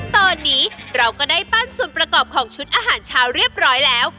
ตอนนี้เราก็ได้ปั้นส่วนประกอบของชุดอาหารเช้าเรียบร้อยแล้ว